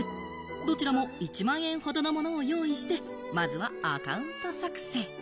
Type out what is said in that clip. どちらも１万円ほどのものを用意して、まずはアカウント作成。